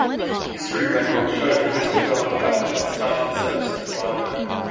History records show that a Mr. Bell of Bacolet started the service in Tobago.